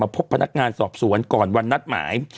พบพนักงานสอบสวนก่อนวันนัดหมาย